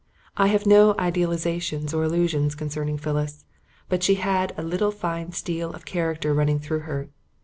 I have no idealisations or illusions concerning Phyllis. But she had a little fine steel of character running through her.